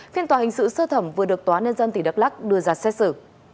phiên tòa hình sự sơ thẩm vừa được tòa nền dân tỷ đắk lắc đưa ra xét xử